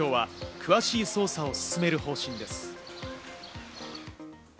警視庁は詳しい捜査を進める方針です。